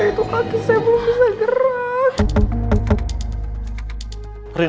itu kaki saya belum bisa gerak